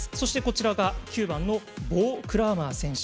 左が９番のボー・クラーマー選手。